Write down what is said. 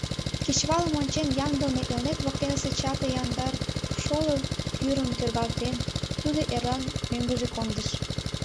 Кечывалым ончен ямдылыме Элнет воктенысе чапле яндар шоло кӱрым тӧргалтен, тудо эрлан мӧҥгыжӧ кондыш.